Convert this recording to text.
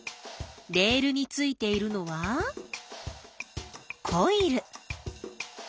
レールについているのはコイル。